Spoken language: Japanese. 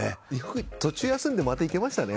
途中休んで、よくいけましたね。